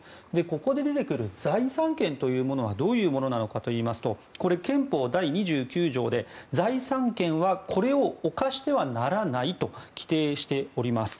ここで出てくる財産権というのはどういうものかといいますと憲法第２９条で、財産権はこれを侵してはならないと規定しております。